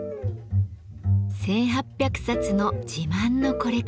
１，８００冊の自慢のコレクション。